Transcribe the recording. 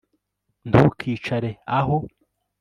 ntukicare aho